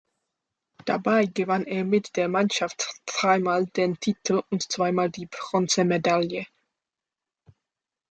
Dabei gewann er mit der Mannschaft dreimal den Titel und zweimal die Bronzemedaille.